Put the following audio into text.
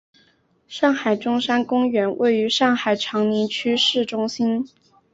上海中山公园位于上海长宁区市中心。